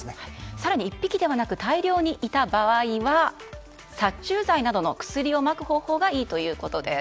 更に１匹ではなく大量にいた場合は殺虫剤などの薬をまくといいそうです。